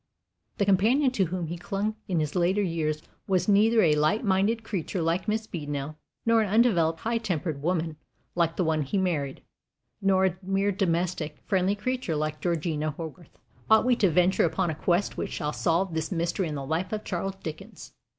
The companion to whom he clung in his later years was neither a light minded creature like Miss Beadnell, nor an undeveloped, high tempered woman like the one he married, nor a mere domestic, friendly creature like Georgina Hogarth. Ought we to venture upon a quest which shall solve this mystery in the life of Charles Dickens!